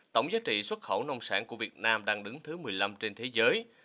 tổng giá trị xuất khẩu nông sản của việt nam đang đứng thứ một mươi năm trên thế giới